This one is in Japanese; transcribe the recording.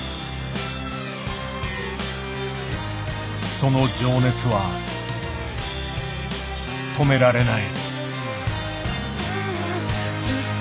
その情熱は止められない。